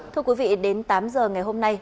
thưa quý vị đến tám giờ ngày hôm nay